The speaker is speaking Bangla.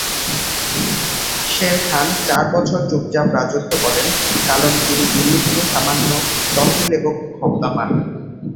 শের খান চার বছর চুপচাপ রাজত্ব করেন কারণ তিনি দিল্লি থেকে সামান্য তহবিল এবং ক্ষমতা পান।